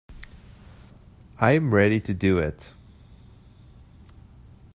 I am ready to do it.